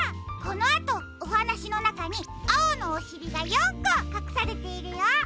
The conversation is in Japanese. このあとおはなしのなかにあおのおしりが４こかくされているよ。